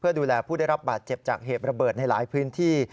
ดูแลผู้ได้รับบาดเจ็บจากเหตุระเบิดในหลายพื้นที่